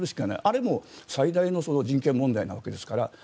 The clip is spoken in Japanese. あれも最大の人権問題なわけですから。